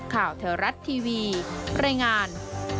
ข่าวเทวรัตน์ทีวีรายงาน